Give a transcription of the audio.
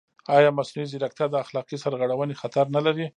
ایا مصنوعي ځیرکتیا د اخلاقي سرغړونې خطر نه لري؟